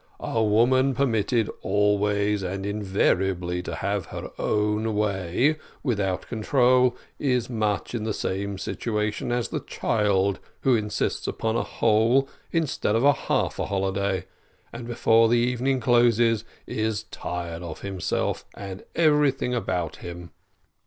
"A woman permitted always and invariably to have her own way without control, is much in the same situation as the child who insists upon a whole instead of half a holiday, and before the evening closes is tired of himself and everything about him.